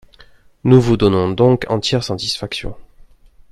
Nous vous donnons donc entière satisfaction.